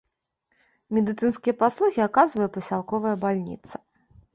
Медыцынскія паслугі аказвае пасялковая бальніца.